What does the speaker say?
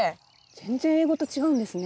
全然英語と違うんですね。